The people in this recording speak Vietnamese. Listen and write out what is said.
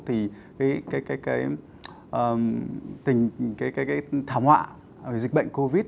thì cái thảm họa dịch bệnh covid